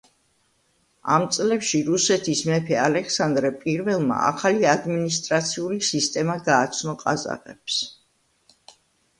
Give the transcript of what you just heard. ამ წლებში რუსეთის მეფე ალექსანდრე პირველმა ახალი ადმინისტრაციული სისტემა გააცნო ყაზახებს.